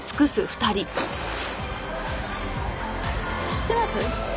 知ってます？